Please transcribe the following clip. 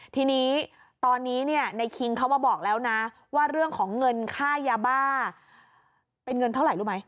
ทีนี้ตอนนี้เนี่ยในคิงเขามาบอกแล้วนะว่าเรื่องของเงินค่ายาบ้าเป็นเงินเท่าไหร่รู้ไหม